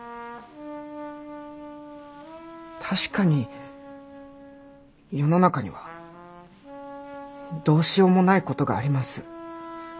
確かに世の中にはどうしようもないことがあります。